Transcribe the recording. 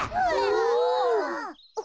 お。